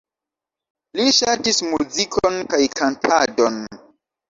Li ŝatis muzikon kaj kantadon.